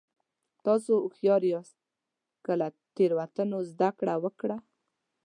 تاسو هوښیار یاست که له تېروتنو زده کړه وکړه.